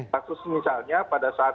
pasus misalnya pada saat